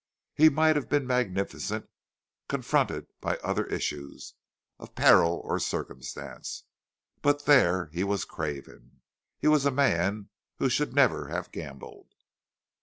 He might have been magnificent, confronted by other issues, of peril or circumstance, but there he was craven. He was a man who should never have gambled.